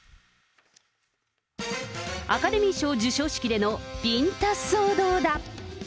アカデミー賞授賞式でのビンタ騒動だ。